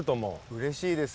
うれしいです。